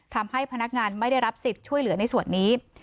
ทำให้พนักงานไม่ได้รับสิทธิ์ช่วยเหลือในส่วนนี้